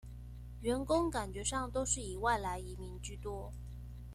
員工感覺上都是以外來移民居多